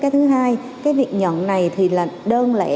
cái thứ hai cái việc nhận này thì là đơn lẻ